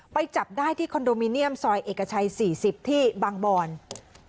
จับได้ที่คอนโดมิเนียมซอยเอกชัย๔๐ที่บางบอน